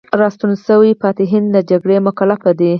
راستون شوي فاتحین له جګړې مکلف دي.